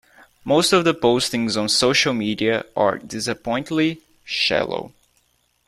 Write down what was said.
Most of the postings on social media are disappointingly shallow.